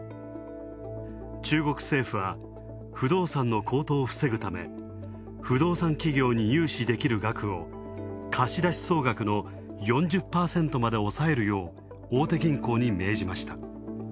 中国政府は不動産の高騰を防ぐため、不動産企業に融資できる額を貸出総額の４０％まで抑えるよう大手銀行に命じました。